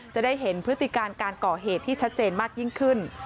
จะได้เห็นพฤติการการก่อเหตุที่ชัดเจนมากยิ่งขึ้น